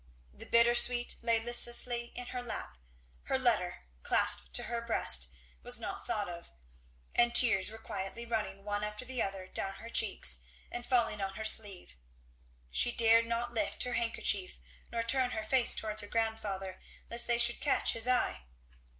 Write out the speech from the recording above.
The bittersweet lay listlessly in her lap; her letter, clasped to her breast, was not thought of; and tears were quietly running one after the other down her cheeks and falling on her sleeve; she dared not lift her handkerchief nor turn her face towards her grandfather lest they should catch his eye.